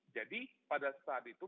jadi pada saat itu